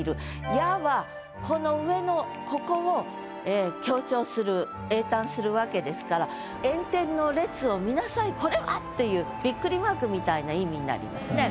「や」はこの上のここを強調する詠嘆するわけですから「これは！」っていうびっくりマークみたいな意味になりますね。